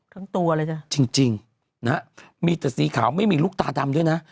ทั้งตัวเลยจ้ะจริงนะฮะมีแต่สีขาวไม่มีลูกตาดำด้วยนะ